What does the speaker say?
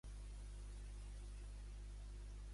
Silvestre Molet Gavaldà va ser un dramaturg nascut a Reus.